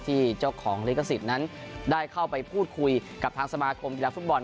ที่เจ้าของลิขสิทธิ์นั้นได้เข้าไปพูดคุยกับทางสมาคมกีฬาฟุตบอล